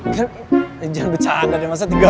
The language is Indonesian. jangan bercanda deh masa tiga jam sih